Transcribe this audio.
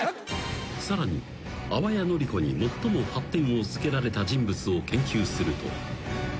［さらに淡谷のり子に最も８点をつけられた人物を研究すると］